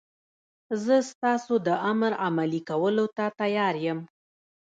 زه ستاسو د امر عملي کولو ته تیار یم.